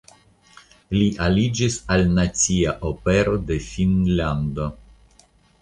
Li aliĝis al Nacia Opero de Finnlando.